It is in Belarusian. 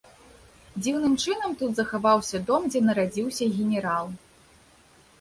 Дзіўным чынам тут захаваўся дом, дзе нарадзіўся генерал.